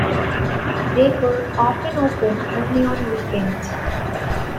They were often open only on weekends.